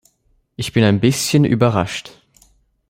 Ich bin ein bisschen überrascht.